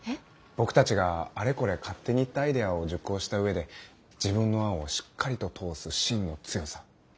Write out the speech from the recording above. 僕たちがあれこれ勝手に言ったアイデアを熟考した上で自分の案をしっかりと通す芯の強さ。